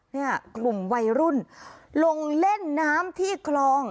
เนี่ยกลุ่มวัยรุ่นลงเล่นน้ำที่คลอง